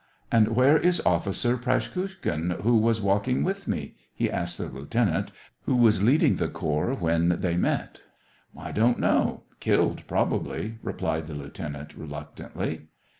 "And where is Officer Praskukhin, who,. was walking with me t " he asked the lieutenant, who was leading the corps when they met. "I don't know — killed, probably," replied the lieutenant, reluctantly.